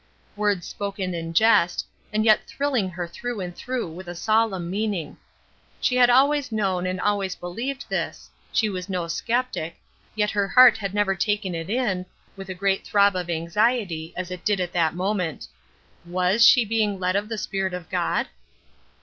Words spoken in jest, and yet thrilling her through and through with a solemn meaning. She had always known and always believed this. She was no skeptic, yet her heart had never taken it in, with a great throb of anxiety, as it did at that moment. Was she being led of the Spirit of God?